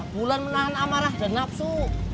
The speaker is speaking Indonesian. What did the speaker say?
bulan menahan amarah dan nafsu